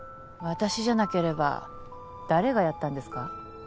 私じゃなければ誰がやったんですか？